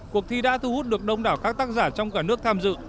cuộc thi đã thu hút được đông đảo các tác giả trong cả nước tham dự